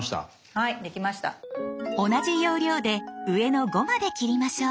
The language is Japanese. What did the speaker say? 同じ要領で上の５まで切りましょう。